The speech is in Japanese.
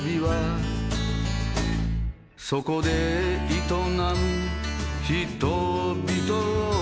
「そこで営む人々を」